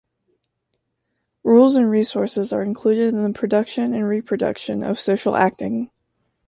Rules and resources are included in the production and reproduction of social acting.